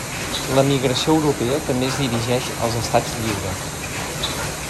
L'emigració europea també es dirigeix als estats lliures.